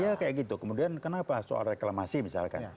ya kayak gitu kemudian kenapa soal reklamasi misalkan